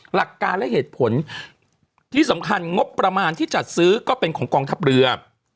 หลักการและเหตุผลที่สำคัญงบประมาณที่จัดซื้อก็เป็นของกองทัพเรือ